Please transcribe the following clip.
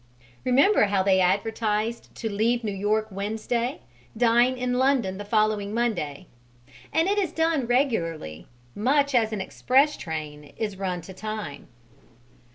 Remember how they advertise to "Leave New York Wednesday, dine in London the following Monday," and it is done regularly, much as an express train is run to time.